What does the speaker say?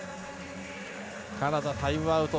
カナダ、タイムアウト。